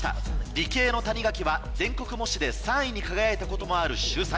理系の谷垣は全国模試で３位に輝いたこともある秀才。